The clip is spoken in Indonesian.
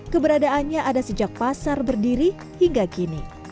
keberadaannya ada sejak pasar berdiri hingga kini